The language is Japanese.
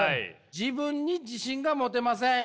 「自分に自信が持てません。